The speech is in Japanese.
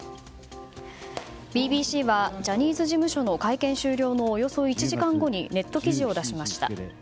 ＢＢＣはジャニーズ事務所の会見終了のおよそ１時間後にネット記事を出しました。